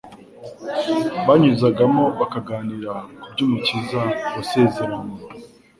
Banyuzagamo bakaganira ku byUmukiza wasezeranywe,